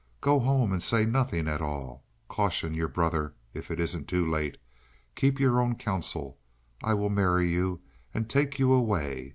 Go home and say nothing at all. Caution your brother, if it isn't too late. Keep your own counsel, and I will marry you and take you away.